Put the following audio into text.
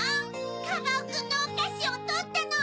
カバオくんのおかしをとったの！